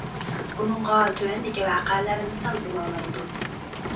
بۇنىڭغا تۆۋەندىكى ۋەقەلەر مىسال بولالايدۇ.